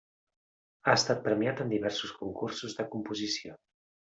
Ha estat premiat en diversos concursos de composició.